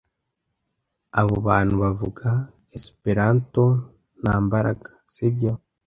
Aba bantu bavuga Esperanto nta mbaraga, sibyo?